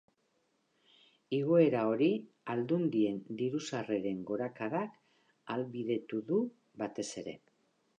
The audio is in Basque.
Igoera hori aldundien diru-sarreren gorakadak ahalbidetu du batez ere.